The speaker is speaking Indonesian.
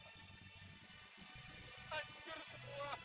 yang lainnya hanya bisa berulang